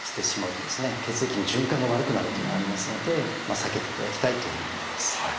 血液の循環が悪くなるというのがありますので避けていただきたいというふうに思います。